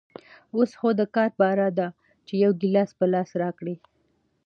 اوس خو دکار بار ده چې يو ګيلاس په لاس راکړي.